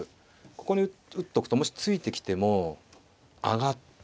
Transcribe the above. ここに打っとくともし突いてきても上がって。